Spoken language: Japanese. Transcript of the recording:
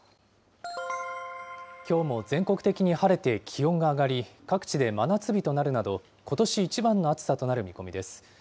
きょうも全国的に晴れて気温が上がり、各地で真夏日となるなど、ことし一番の暑さとなる見込みです。